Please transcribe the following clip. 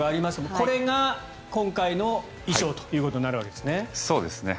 これが今回の衣装ということになるわけですね。